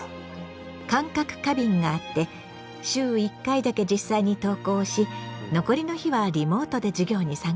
感覚過敏があって週１回だけ実際に登校し残りの日はリモートで授業に参加している。